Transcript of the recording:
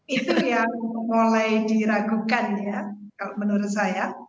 itu yang mulai diragukan ya kalau menurut saya